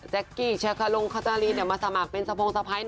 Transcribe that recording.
แจ๊กกี้ชาคลุงคาตารีเดี๋ยวมาสมัครเป็นสะพงสะพาย